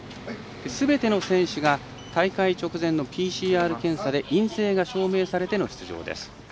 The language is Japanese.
すべての選手が大会直前のＰＣＲ検査で陰性が証明されての出場です。